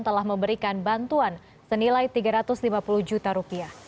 telah memberikan bantuan senilai rp tiga ratus lima puluh juta rupiah